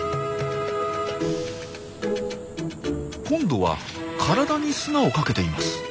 今度は体に砂をかけています。